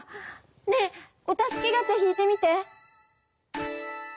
ねえお助けガチャ引いてみて！